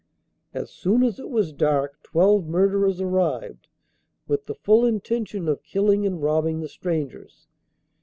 As soon as it was dark twelve murderers arrived, with the full intention of killing and robbing the strangers.